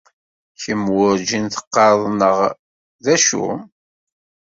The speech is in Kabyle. Kemm werjin teqqareḍ neɣ d acu?!